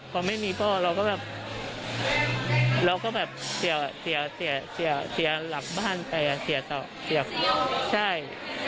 พอไม่มีพ่อเราก็แบบเสียหลักบ้านไปใช่